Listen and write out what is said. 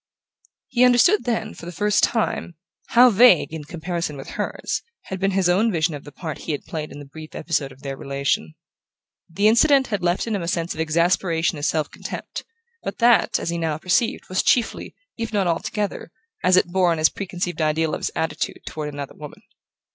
He understood then, for the first time, how vague, in comparison with hers, had been his own vision of the part he had played in the brief episode of their relation. The incident had left in him a sense of exasperation and self contempt, but that, as he now perceived, was chiefly, if not altogether, as it bore on his preconceived ideal of his attitude toward another woman.